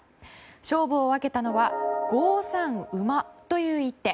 勝負を分けたのは５三馬という一手。